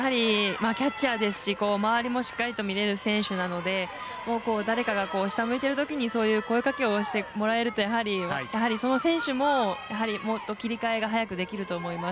キャッチャーですし周りをしっかり見れる選手なので誰かが下向いてるときにそういう声かけをしてもらえるとやはり、その選手も切り替えが早くできると思います。